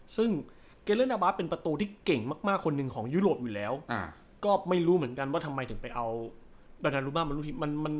ซึ่งเกเลนาบาสเป็นประตูที่เก่งมากคนหนึ่งของยุโรปอยู่แล้วก็ไม่รู้เหมือนกันว่าทำไมถึงไปเอาดารุมามาลูกทีม